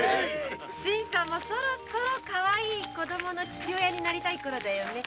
新さんもかわいい子供の父親になりたいころだよね。